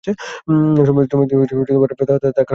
শ্রমিকদের থাকার স্থানগুলোতে পানির ব্যবস্থা ছিল না।